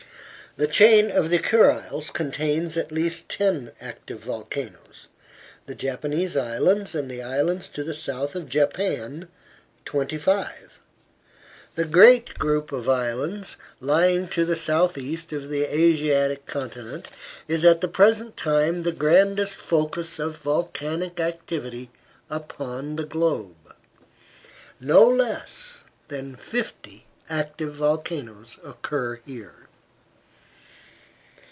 The chain of the Kuriles contains at least ten active volcanoes; the Japanese Islands and the islands to the south of Japan twenty five. The great group of islands lying to the south east of the Asiatic continent is at the present time the grandest focus of volcanic activity upon the globe. No less than fifty active volcanoes occur here.